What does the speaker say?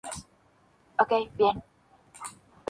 Pero los barcos naufragaron, presumiblemente por una tempestad.